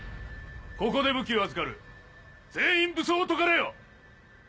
ここで武器を預かる全員武装を解かれよ！